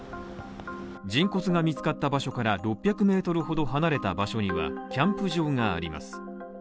人骨が見つかった場所から６００ｍほど離れた場所には、キャンプ場があります。